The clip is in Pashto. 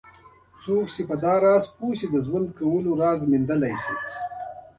څوک چې په دې راز پوه شي د ژوند کولو راز موندلی.